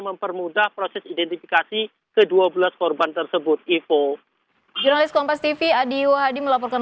mempermudah proses identifikasi ke dua belas korban tersebut ipo jurnalis kompas tv adi wahdi melaporkan